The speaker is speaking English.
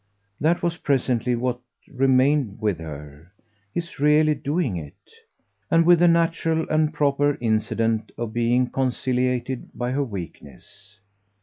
That was presently what remained with her his really doing it; and with the natural and proper incident of being conciliated by her weakness.